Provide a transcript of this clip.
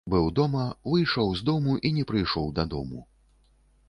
Быў дома, выйшаў з дому і не прыйшоў дадому.